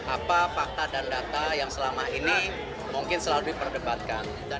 apa fakta dan data yang selama ini mungkin selalu diperdebatkan